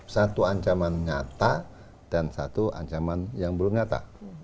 satu ancaman nyata dan satu ancaman yang belum nyata